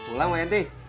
pulang mak yanti